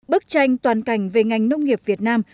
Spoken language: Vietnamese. bức tranh toàn cảnh về ngành nông nghiệp việt nam